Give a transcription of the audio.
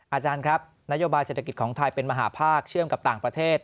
อาจารย์ครับนโยบายเศรษฐกิจของไทยเป็นมหาภาคเชื่อมกับต่างประเทศ